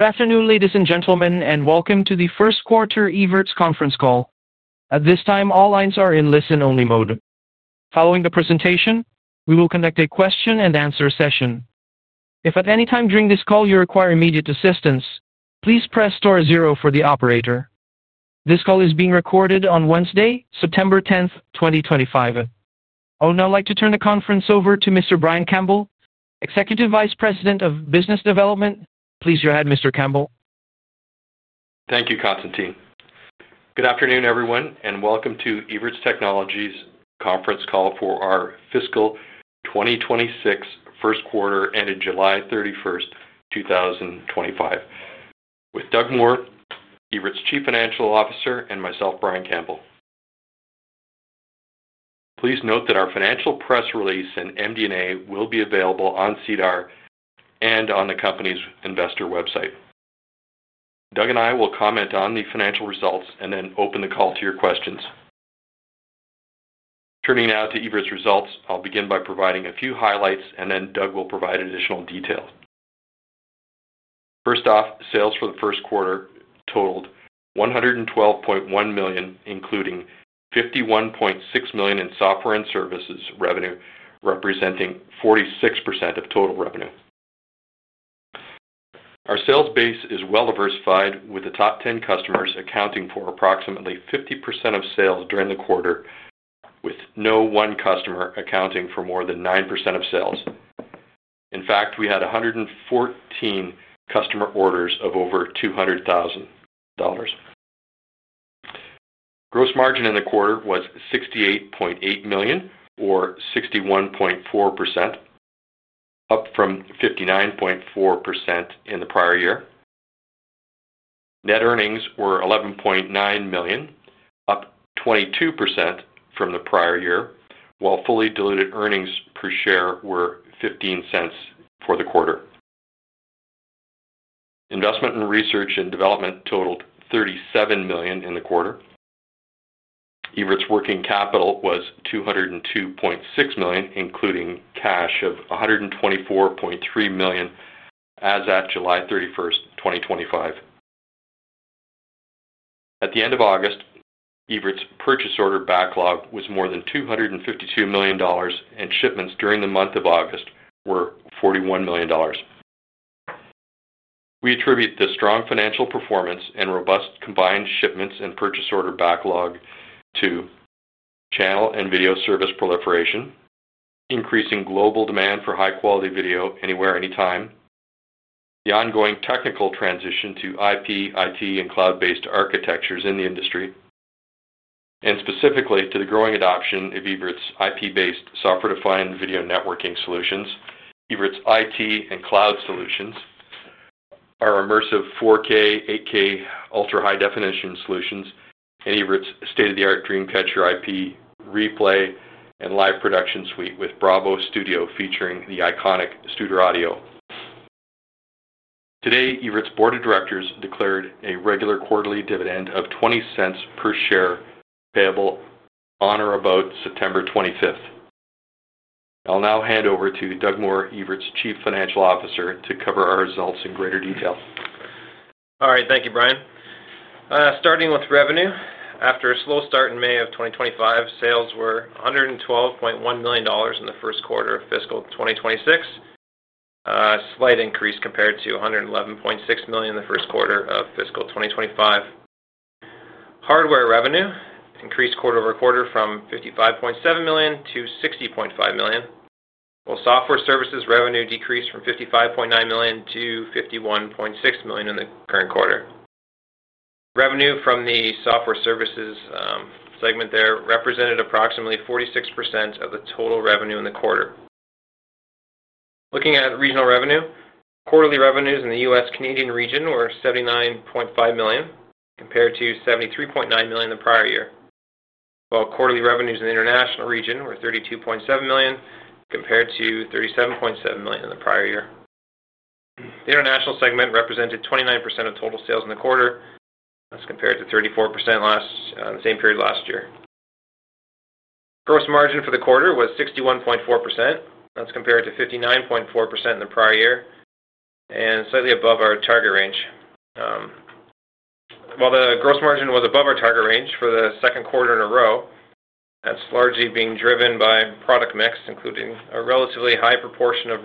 Good afternoon, ladies and gentlemen, and welcome to the first quarter Evertz conference call. At this time, all lines are in listen-only mode. Following the presentation, we will conduct a question-and-answer session. If at any time during this call you require immediate assistance, please press *0 for the operator. This call is being recorded on Wednesday, September 10, 2025. I would now like to turn the conference over to Mr. Brian Campbell, Executive Vice President of Business Development. Please go ahead, Mr. Campbell. Thank you, Katsuki. Good afternoon, everyone, and welcome to Evertz Technologies Limited's conference call for our fiscal 2026 first quarter ended July 31, 2025, with Doug Moore, Evertz's Chief Financial Officer, and myself, Brian Campbell. Please note that our financial press release and MD&A will be available on SEDAR and on the company's investor website. Doug and I will comment on the financial results and then open the call to your questions. Turning now to Evertz results, I'll begin by providing a few highlights, and then Doug will provide additional details. First off, sales for the first quarter totaled $112.1 million, including $51.6 million in software and services revenue, representing 46% of total revenue. Our sales base is well diversified, with the top 10 customers accounting for approximately 50% of sales during the quarter, with no one customer accounting for more than 9% of sales. In fact, we had 114 customer orders of over $200,000. Gross margin in the quarter was $68.8 million, or 61.4%, up from 59.4% in the prior year. Net earnings were $11.9 million, up 22% from the prior year, while fully diluted earnings per share were $0.15 for the quarter. Investment in research and development totaled $37 million in the quarter. Evertz working capital was $202.6 million, including cash of $124.3 million as at July 31, 2025. At the end of August, Evertz's purchase order backlog was more than $252 million, and shipments during the month of August were $41 million. We attribute the strong financial performance and robust combined shipments and purchase order backlog to channel and video service proliferation, increasing global demand for high-quality video anywhere, anytime, the ongoing technical transition to IP, IT, and cloud-based architectures in the industry, and specifically to the growing adoption of Evertz's IP-based software-defined video networking solutions, Evertz's IT and cloud native solutions, our immersive 4K and 8K ultra-high-definition solutions, and Evertz's state-of-the-art DreamCatcher IP replay and live production suite with BRAVO Studio featuring the iconic Studer audio. Today, Evertz's board of directors declared a regular quarterly dividend of $0.20 per share payable on or about September 25. I'll now hand over to Doug Moore, Evertz's Chief Financial Officer, to cover our results in greater detail. All right, thank you, Brian. Starting with revenue, after a slow start in May of 2025, sales were $112.1 million in the first quarter of fiscal 2026, a slight increase compared to $111.6 million in the first quarter of fiscal 2025. Hardware revenue increased quarter over quarter from $55.7 million to $60.5 million, while software services revenue decreased from $55.9 million to $51.6 million in the current quarter. Revenue from the software services segment there represented approximately 46% of the total revenue in the quarter. Looking at regional revenue, quarterly revenues in the U.S.-Canadian region were $79.5 million compared to $73.9 million in the prior year, while quarterly revenues in the international region were $32.7 million compared to $37.7 million in the prior year. The international segment represented 29% of total sales in the quarter, that's compared to 34% the same period last year. Gross margin for the quarter was 61.4%, that's compared to 59.4% in the prior year, and slightly above our target range. While the gross margin was above our target range for the second quarter in a row, that's largely being driven by product mix, including a relatively high proportion of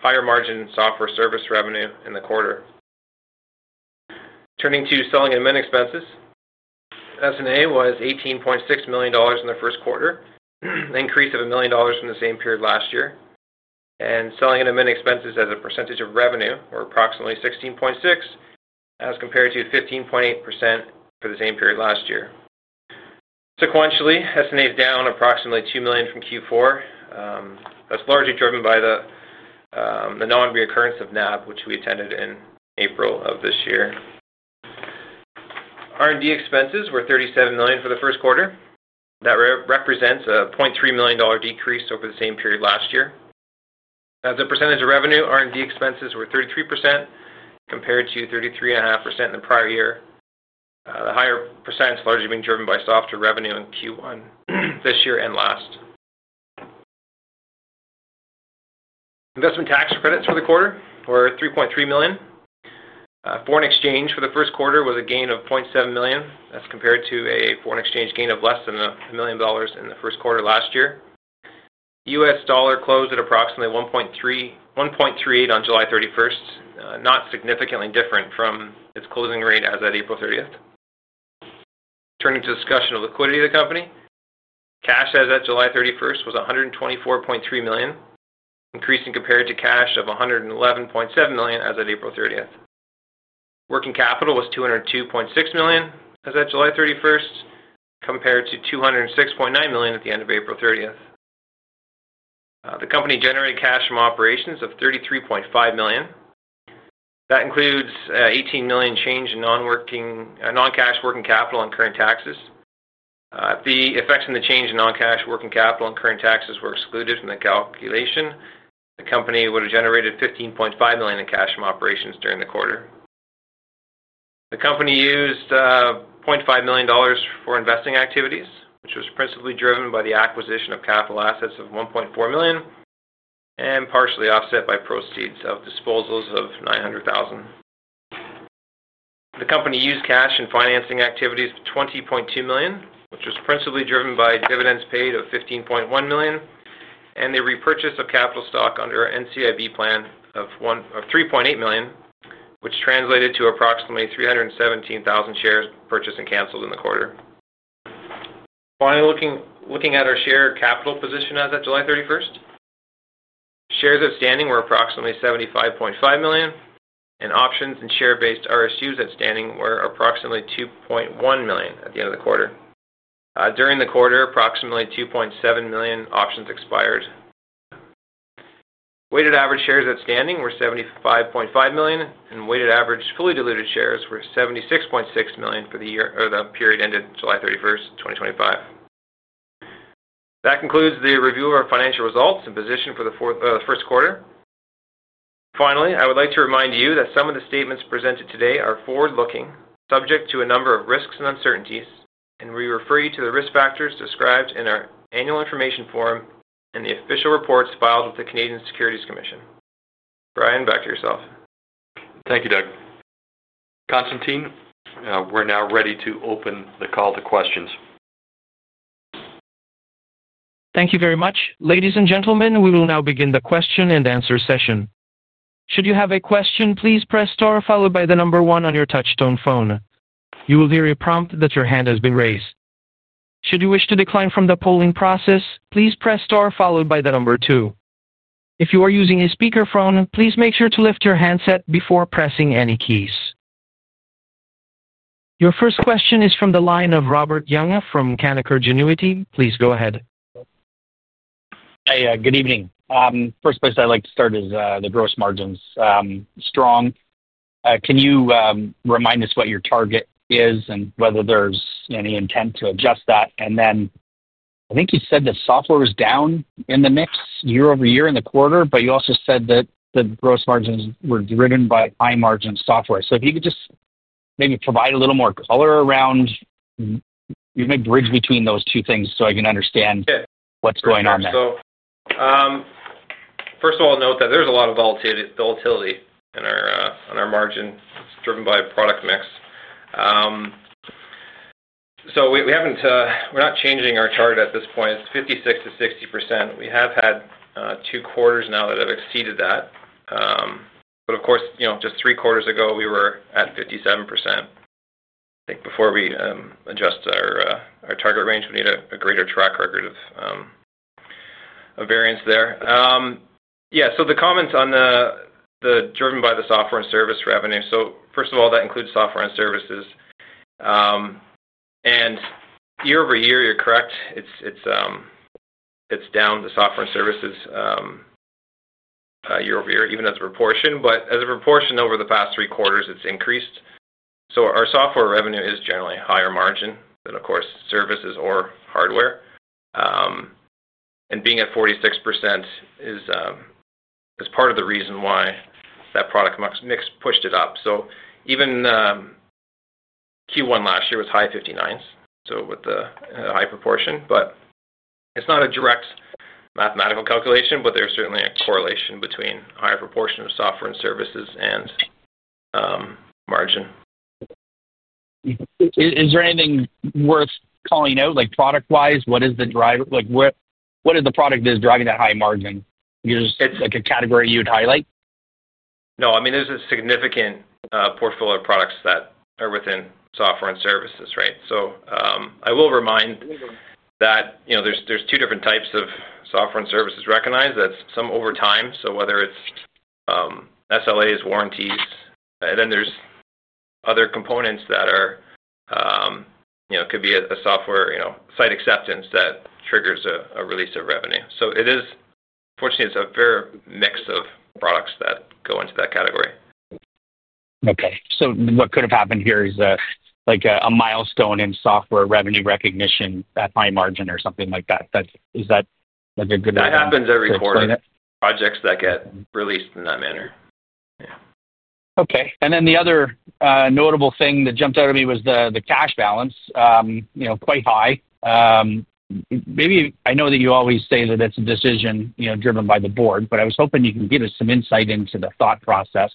higher margin software service revenue in the quarter. Turning to selling and admin expenses, S&A was $18.6 million in the first quarter, an increase of $1 million from the same period last year, and selling and admin expenses as a percentage of revenue were approximately 16.6% as compared to 15.8% for the same period last year. Sequentially, S&A is down approximately $2 million from Q4. That's largely driven by the non-reoccurrence of NAB, which we attended in April of this year. R&D expenses were $37 million for the first quarter. That represents a $0.3 million decrease over the same period last year. As a percentage of revenue, R&D expenses were 33% compared to 33.5% in the prior year. The higher percentage is largely being driven by software revenue in Q1 this year and last. Investment tax credits for the quarter were $3.3 million. Foreign exchange for the first quarter was a gain of $0.7 million. That's compared to a foreign exchange gain of less than $1 million in the first quarter last year. U.S. dollar closed at approximately $1.38 on July 31, not significantly different from its closing rate as at April 30. Turning to discussion of liquidity of the company, cash as at July 31st was $124.3 million, increasing compared to cash of $111.7 million as at April 30th. Working capital was $202.6 million as at July 31st, compared to $206.9 million at the end of April 30th. The company generated cash from operations of $33.5 million. That includes $18 million change in non-cash working capital on current taxes. The effects in the change in non-cash working capital on current taxes were excluded from the calculation. The company would have generated $15.5 million in cash from operations during the quarter. The company used $0.5 million for investing activities, which was principally driven by the acquisition of capital assets of $1.4 million and partially offset by proceeds of disposals of $900,000. The company used cash in financing activities of $20.2 million, which was principally driven by dividends paid of $15.1 million and the repurchase of capital stock under a normal course issuer bid plan of $3.8 million, which translated to approximately 317,000 shares purchased and canceled in the quarter. Finally, looking at our share capital position as of July 31st, shares outstanding were approximately 75.5 million, and options and share-based RSUs outstanding were approximately 2.1 million at the end of the quarter. During the quarter, approximately 2.7 million options expired. Weighted average shares outstanding were 75.5 million, and weighted average fully diluted shares were 76.6 million for the period ended July 31st, 2025. That concludes the review of our financial results and position for the first quarter. Finally, I would like to remind you that some of the statements presented today are forward-looking, subject to a number of risks and uncertainties, and we refer you to the risk factors described in our annual information form and the official reports filed with the Canadian Securities Commission. Brian, back to yourself. Thank you, Doug. Katsuki, we're now ready to open the call to questions. Thank you very much. Ladies and gentlemen, we will now begin the question-and-answer session. Should you have a question, please press * followed by the number one on your touch-tone phone. You will hear a prompt that your hand has been raised. Should you wish to decline from the polling process, please press * followed by the number two. If you are using a speaker phone, please make sure to lift your handset before pressing any keys. Your first question is from the line of Robert Young from Canaccord Genuity Corp. Please go ahead. Hey, good evening. First place I'd like to start is the gross margins. Strong. Can you remind us what your target is and whether there's any intent to adjust that? I think you said the software was down in the mix year over year in the quarter, but you also said that the gross margins were driven by high-margin software. If you could just maybe provide a little more color around, you may bridge between those two things so I can understand what's going on there. First of all, note that there's a lot of volatility in our margin. It's driven by product mix. We haven't, we're not changing our target at this point. It's 56% to 60%. We have had two quarters now that have exceeded that. Of course, just three quarters ago, we were at 57%. I think before we adjust our target range, we need a greater track record of variance there. The comments on the driven by the software and service revenue. First of all, that includes software and services. Year over year, you're correct. It's down to software and services year over year, even as a proportion. As a proportion over the past three quarters, it's increased. Our software revenue is generally a higher margin than, of course, services or hardware. Being at 46% is part of the reason why that product mix pushed it up. Even Q1 last year was high 59s, with a high proportion. It's not a direct mathematical calculation, but there's certainly a correlation between a higher proportion of software and services and margin. Is there anything worth calling out, like product-wise? What is the driver? What is the product that is driving that high margin? Is it like a category you'd highlight? No, I mean, there's a significant portfolio of products that are within software and services, right? I will remind that, you know, there's two different types of software and services recognized. That's some over time, whether it's SLAs, warranties, and then there's other components that are, you know, it could be a software, you know, site acceptance that triggers a release of revenue. It is, unfortunately, a fair mix of products that go into that category. Okay. What could have happened here is like a milestone in software revenue recognition at high margin or something like that. Is that like a good idea? It happens every quarter. Projects that get released in that manner. Okay. The other notable thing that jumped out at me was the cash balance, you know, quite high. Maybe I know that you always say that it's a decision, you know, driven by the board, but I was hoping you can give us some insight into the thought process,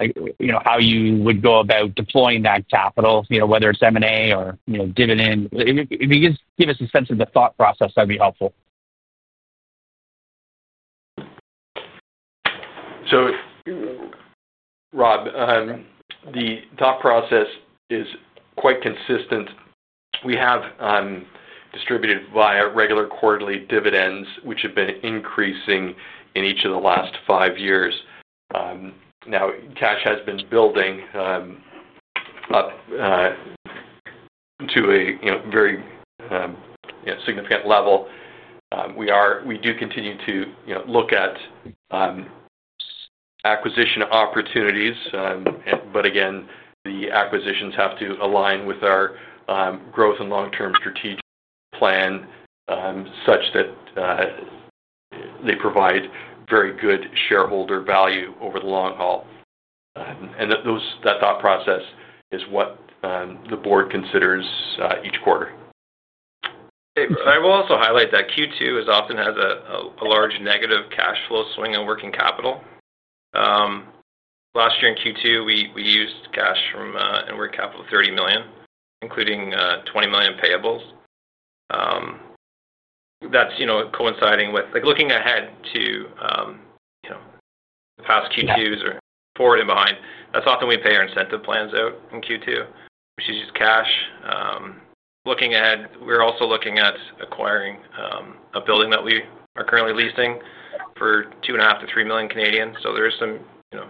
you know, how you would go about deploying that capital, you know, whether it's M&A or, you know, dividend. If you could give us a sense of the thought process, that'd be helpful. The thought process is quite consistent. We have distributed via regular quarterly dividends, which have been increasing in each of the last five years. Now, cash has been building up to a very significant level. We do continue to look at acquisition opportunities, but again, the acquisitions have to align with our growth and long-term strategic plan such that they provide very good shareholder value over the long haul. That thought process is what the board considers each quarter. I will also highlight that Q2 often has a large negative cash flow swing on working capital. Last year in Q2, we used cash from working capital $30 million, including $20 million payables. That's, you know, coinciding with, like, looking ahead to past Q2s or forward and behind, that's often we pay our incentive plans out in Q2, which is just cash. Looking ahead, we're also looking at acquiring a building that we are currently leasing for $2.5 to $3 million Canadian. There is some, you know,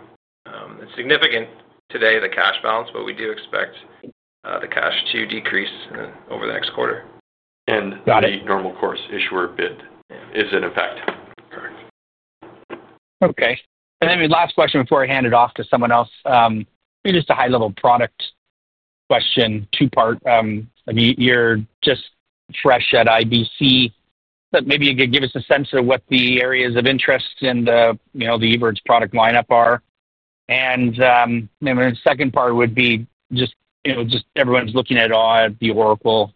it's significant today, the cash balance, but we do expect the cash to decrease over the next quarter. The normal course issuer bid is in effect. Okay. The last question before I hand it off to someone else, maybe just a high-level product question, two-part. I mean, you're just fresh at IBC. Maybe you could give us a sense of what the areas of interest in the, you know, the Evertz product lineup are. The second part would be just, you know, just everyone's looking at all at the Oracle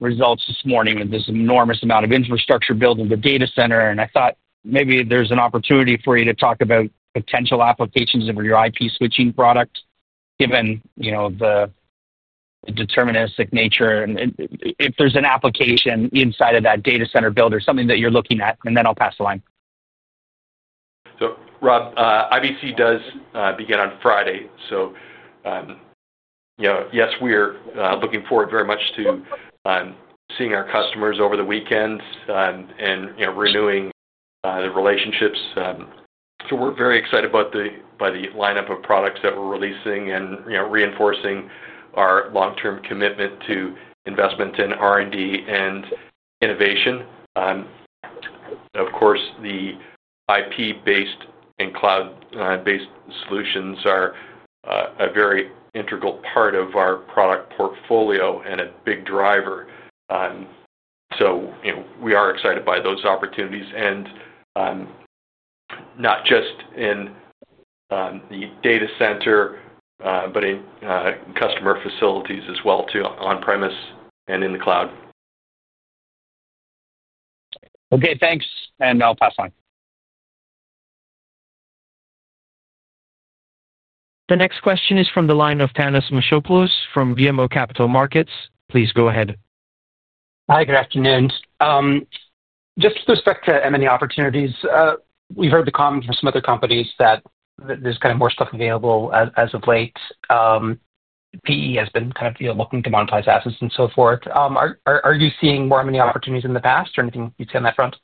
results this morning and this enormous amount of infrastructure built into the data center. I thought maybe there's an opportunity for you to talk about potential applications of your IP switching product, given, you know, the deterministic nature. If there's an application inside of that data center build or something that you're looking at, then I'll pass the line. Rob, IBC does begin on Friday. Yes, we're looking forward very much to seeing our customers over the weekend and renewing the relationships. We're very excited by the lineup of products that we're releasing and reinforcing our long-term commitment to investment in R&D and innovation. Of course, the IP-based and cloud-based solutions are a very integral part of our product portfolio and a big driver. We are excited by those opportunities and not just in the data center, but in customer facilities as well, on-premise and in the cloud. Okay, thanks. I'll pass on. The next question is from the line of Thanos Moschopoulos from BMO Capital Markets Equity Research. Please go ahead. Hi, good afternoon. Just with respect to M&A opportunities, we've heard the comment from some other companies that there's kind of more stuff available as of late. PE has been kind of looking to monetize assets and so forth. Are you seeing more M&A opportunities in the past or anything you'd say on that front?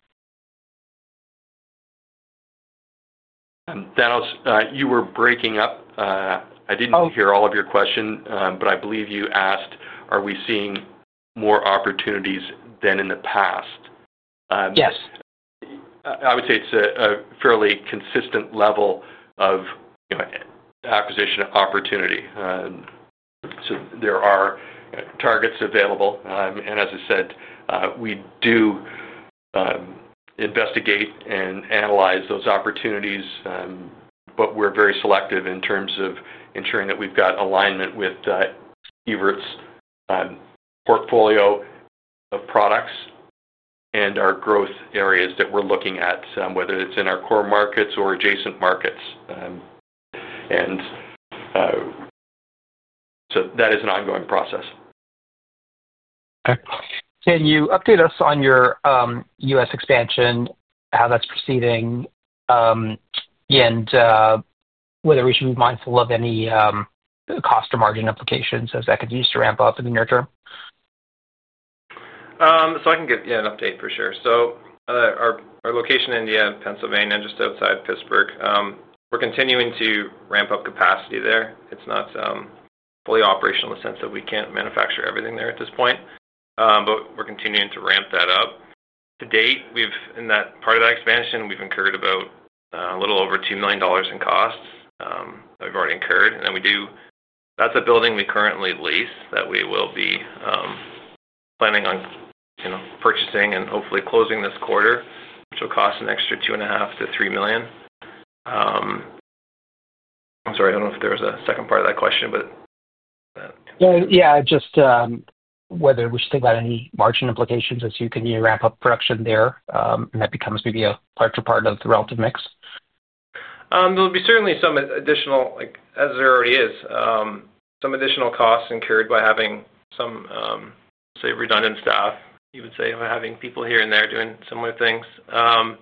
Dennis, you were breaking up. I didn't hear all of your question, but I believe you asked, are we seeing more opportunities than in the past? Yes. I would say it's a fairly consistent level of acquisition opportunity. There are targets available, and as I said, we do investigate and analyze those opportunities, but we're very selective in terms of ensuring that we've got alignment with Evertz's portfolio of products and our growth areas that we're looking at, whether it's in our core markets or adjacent markets. That is an ongoing process. Can you update us on your U.S. expansion, how that's proceeding, and whether we should be mindful of any cost or margin implications as that could cause you to ramp up in the near term? I can give you an update for sure. Our location in Pennsylvania, just outside Pittsburgh, we're continuing to ramp up capacity there. It's not fully operational in the sense that we can't manufacture everything there at this point, but we're continuing to ramp that up. To date, in that part of that expansion, we've incurred about a little over $2 million in costs that we've already incurred. We do, that's a building we currently lease that we will be planning on purchasing and hopefully closing this quarter, which will cost an extra $2.5 to $3 million. I'm sorry, I don't know if there was a second part of that question. Yeah, just whether we should think about any margin implications as you continue to ramp up production there, and that becomes maybe a larger part of the relative mix. There'll be certainly some additional, like as there already is, some additional costs incurred by having some, say, redundant staff, you would say, by having people here and there doing similar things. At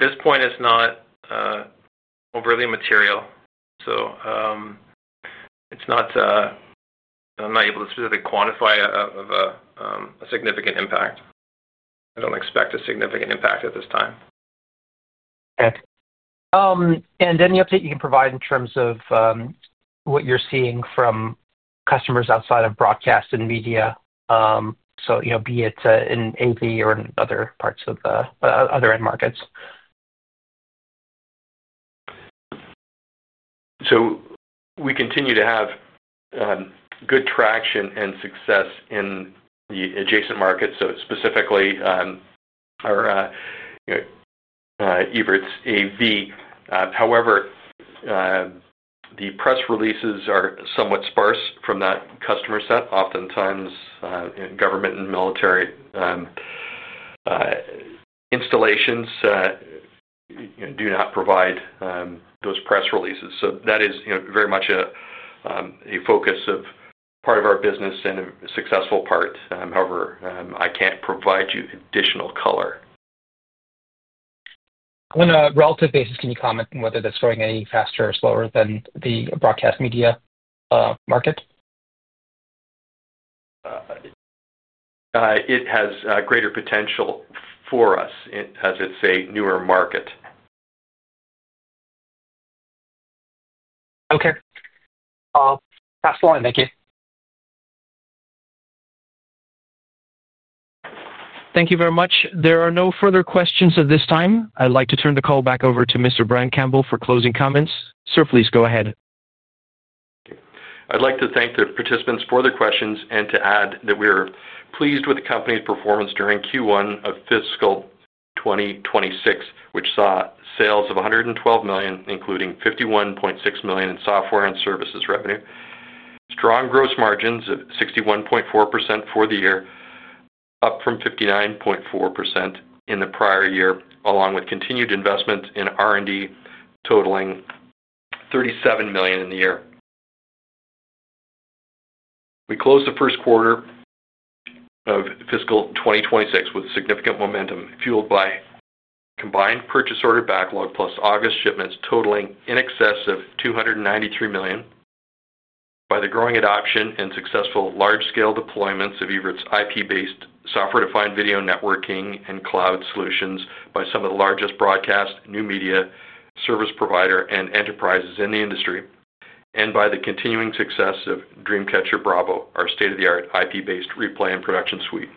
this point, it's not overly material. It's not, I'm not able to specifically quantify a significant impact. I don't expect a significant impact at this time. there any update you can provide in terms of what you're seeing from customers outside of broadcast and media, for example in AV or in other parts of the other end markets? We continue to have good traction and success in the adjacent markets, specifically our Evertz AV. However, the press releases are somewhat sparse from that customer set. Oftentimes, government and military installations do not provide those press releases. That is very much a focus of part of our business and a successful part. However, I can't provide you additional color. On a relative basis, can you comment on whether they're growing any faster or slower than the broadcast media market? It has greater potential for us as it's a newer market. Okay, I'll pass the line. Thank you. Thank you very much. There are no further questions at this time. I'd like to turn the call back over to Mr. Brian Campbell for closing comments. Sir, please go ahead. I'd like to thank the participants for their questions and to add that we are pleased with the company's performance during Q1 of fiscal 2026, which saw sales of $112 million, including $51.6 million in software and services revenue. Strong gross margins of 61.4% for the year, up from 59.4% in the prior year, along with continued investments in R&D totaling $37 million in the year. We closed the first quarter of fiscal 2026 with significant momentum fueled by combined purchase order backlog plus August shipments totaling in excess of $293 million. By the growing adoption and successful large-scale deployments of Evertz's IP-based software-defined video networking and cloud solutions by some of the largest broadcast new media service providers and enterprises in the industry, and by the continuing success of DreamCatcher Bravo, our state-of-the-art IP-based replay and production suite.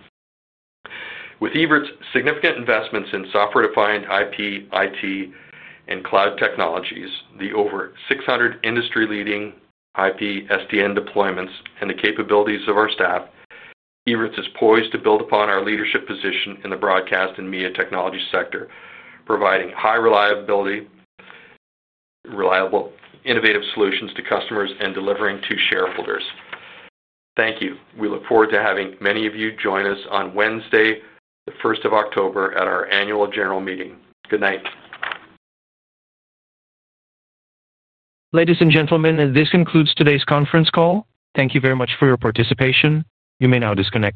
With Evertz's significant investments in software-defined IP, IT, and cloud technologies, the over 600 industry-leading IP SDN deployments, and the capabilities of our staff, Evertz is poised to build upon our leadership position in the broadcast and media technology sector, providing high reliability, reliable, innovative solutions to customers, and delivering to shareholders. Thank you. We look forward to having many of you join us on Wednesday, the 1st of October, at our annual general meeting. Good night. Ladies and gentlemen, this concludes today's conference call. Thank you very much for your participation. You may now disconnect.